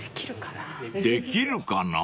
［できるかな？］